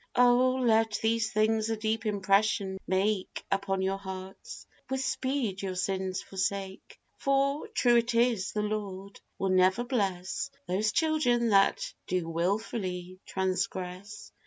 Oh! let these things a deep impression make Upon your hearts, with speed your sins forsake; For, true it is, the Lord will never bless Those children that do wilfully transgress.